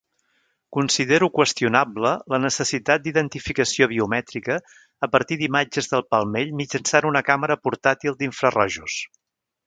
Considero qüestionable la necessitat d'identificació biomètrica a partir d'imatges del palmell mitjançant un càmera portàtil d'infrarojos.